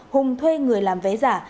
hùng thuê người làm bán vé máy bay